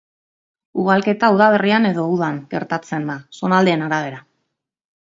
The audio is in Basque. Ugalketa udaberrian edo udan gertatzen da zonaldeen arabera.